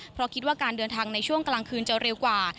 เพราะคิดว่าการเดินทางในช่วงกลางคืนจะเร็วกว่า